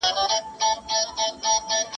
¬ خبري ډېري دي، سر ئې يو دئ.